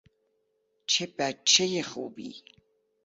چه بچه خوبی!